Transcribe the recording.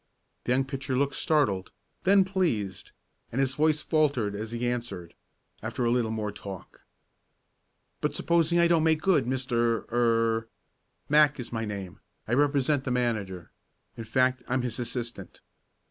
The young pitcher looked startled, then pleased, and his voice faltered as he answered; after a little more talk: "But supposing I don't make good, Mr. er ?" "Mack is my name, I represent the manager; in fact I'm his assistant."